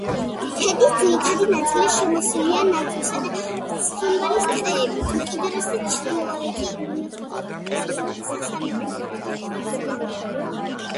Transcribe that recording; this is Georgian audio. ქედის ძირითადი ნაწილი შემოსილია ნაძვისა და რცხილის ტყეებით, უკიდურესი ჩრდილოეთ-დასავლეთი მონაკვეთი სასოფლო-სამეურნეო კულტურებს უკავია.